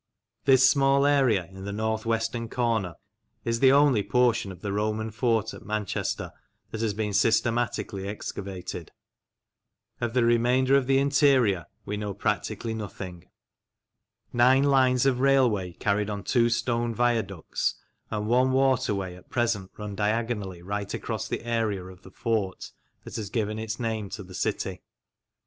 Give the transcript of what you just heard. This small area in the north western corner is the only portion of the Roman fort at Manchester that has been systematically excavated. Of the remainder of the 42 MEMORIALS OF OLD LANCASHIRE interior we know practically nothing. Nine lines of railway, carried on two stone viaducts, and one waterway at present run diagonally right across the area of the fort that has given its name to the city.